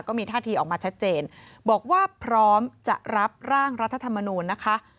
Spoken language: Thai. ก็มีท่าทีออกมาชัดเจนบอกว่าพร้อมจะรับร่างรัฐธรรมนูลนะคะ